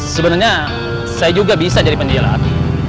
sebenernya saya juga bisa jadi penjilat